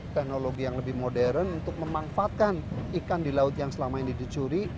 teknologi yang lebih modern untuk memanfaatkan ikan di laut yang selama ini dicuri